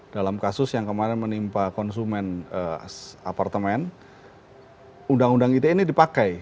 dalam kasus yang kemarin menimpa konsumen apartemen undang undang ite ini dipakai